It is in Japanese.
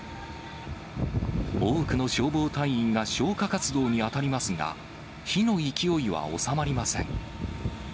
多くの消防隊員が消火活動に当たりますが、火の勢いは収まりません。